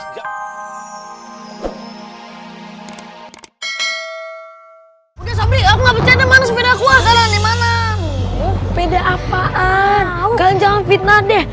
kalian jangan fitnah deh